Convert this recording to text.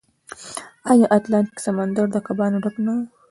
آیا د اتلانتیک سمندر د کبانو ډک نه و؟